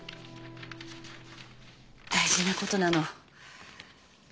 大事なことなの。